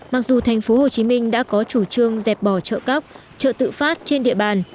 mặc dù thành phố hồ chí minh đã có chủ trương dẹp bỏ chợ cóc chợ tự phát trên địa bàn